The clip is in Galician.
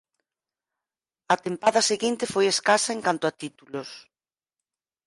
A tempada seguinte foi escasa en canto a títulos.